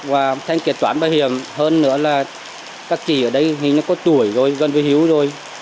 và thanh kiệt toán bảo hiểm hơn nữa là các chị ở đây hình như có tuổi rồi gần với hiếu rồi